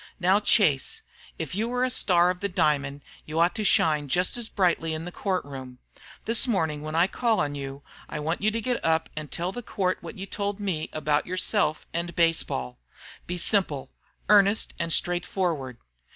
"Now, Chase, if you are a star of the diamond you ought to shine just as brightly in the court room. This morning when I call on you I want you to get up and tell the court what you told me about yourself and baseball. Be simple, earnest, and straightforward.